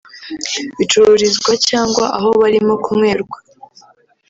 bicururizwa cyangwa aho barimo kunywerwa